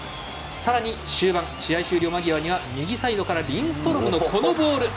さらに終盤、試合終了間際には右サイドからリンストロムのこのボール。